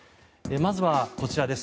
まずはこちらです。